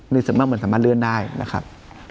ในสมมติมันสามารถเลื่อนได้นะครับ